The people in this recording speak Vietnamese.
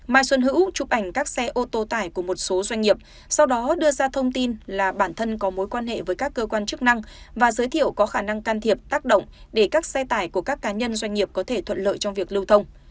mai xuân hữu chụp ảnh các xe ô tô tải của một số doanh nghiệp sau đó đưa ra thông tin là bản thân có mối quan hệ với các cơ quan chức năng và giới thiệu có khả năng can thiệp tác động để các xe tải của các cá nhân doanh nghiệp có thể thuận lợi trong việc lưu thông